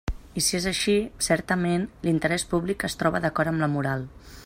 I si és així, certament, l'interès públic es troba d'acord amb la moral.